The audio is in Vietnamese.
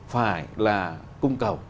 phải là cung cầu